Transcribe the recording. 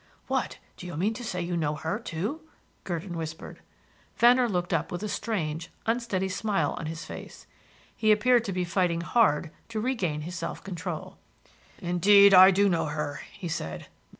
"What, do you mean to say you know her, too?" Gurdon whispered. Venner looked up with a strange, unsteady smile on his face. He appeared to be fighting hard to regain his self control. "Indeed, I do know her," he said.